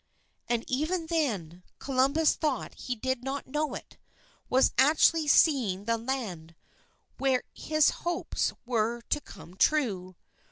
And even then, Columbus, though he did not know it, was actually seeing the land where his hopes were to come true.